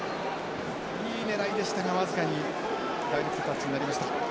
いい狙いでしたが僅かにダイレクトタッチになりました。